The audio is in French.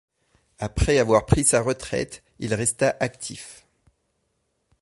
Après avoir pris sa retraite, il resta actif.